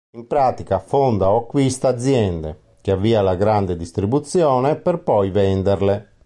In pratica fonda o acquista aziende, che avvia alla grande distribuzione per poi venderle.